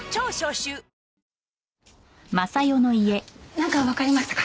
なんかわかりましたか？